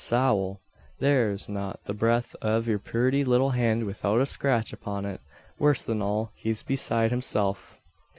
Sowl! thare's not the brenth av yer purty little hand widout a scratch upon it. Worse than all, he's besoide hisself."